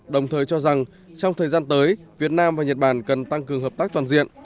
đồng thời cho rằng trong thời gian tới việt nam và nhật bản cần tăng cường hợp tác toàn diện